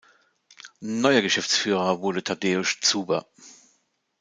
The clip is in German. Neuer Geschäftsführer wurde Tadeusz Zuber.